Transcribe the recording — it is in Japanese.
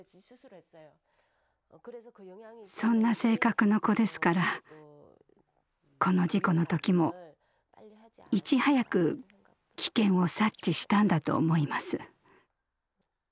そんな性格の子ですからこの事故の時もいち早く危険を察知したんだと思います。